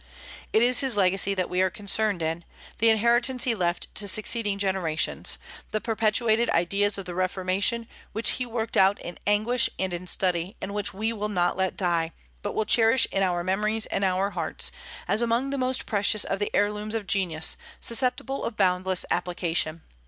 It is his legacy that we are concerned in, the inheritance he left to succeeding generations, the perpetuated ideas of the Reformation, which he worked out in anguish and in study, and which we will not let die, but will cherish in our memories and our hearts, as among the most precious of the heirlooms of genius, susceptible of boundless application.